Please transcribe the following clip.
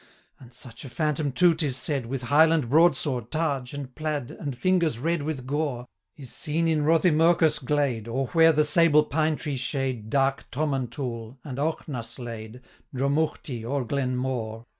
'And such a phantom, too, 'tis said, With Highland broadsword, targe, and plaid 465 And fingers red with gore, Is seen in Rothiemurcus glade, Or where the sable pine tree shade Dark Tomantoul, and Auchnaslaid, Dromouchty, or Glenmore.